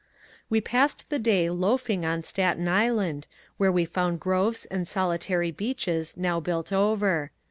We passed the day " loafing " on Staten Island, where we found groves and solitary beaches now built over.